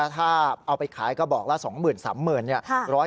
ถ้าเอาไปขายก็บอกละ๒๐๐๐๐๓๐๐๐๐บาท